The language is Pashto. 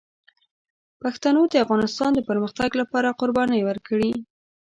پښتنو د افغانستان د پرمختګ لپاره قربانۍ ورکړي.